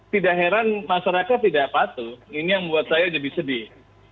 tidak heran masyarakat tidak patuh ini yang membuat saya jadi sedih